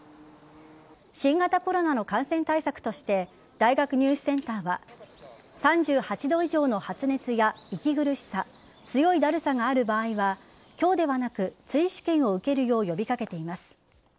新型コロナの感染対策として大学入試センターは３８度以上の発熱や息苦しさ強いだるさがある場合は今日ではなく追試験を受けるよう呼び掛けています。